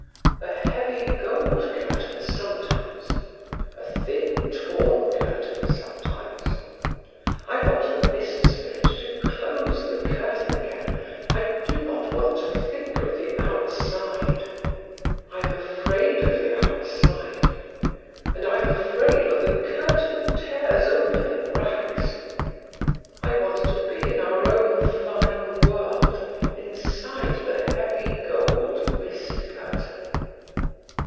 A heavy gold curtain sometimes; a thin, torn curtain sometimes. I want the Mist Spirit to close the curtain again, I do not want to think of the outside. I am afraid of the outside, and I am afraid when the curtain tears open in rags. I want to be in our own fine world inside the heavy gold mist curtain."